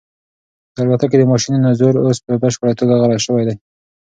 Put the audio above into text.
د الوتکې د ماشینونو زور اوس په بشپړه توګه غلی شوی دی.